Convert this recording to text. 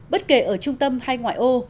bất kể ở trung tâm hay ngoại ô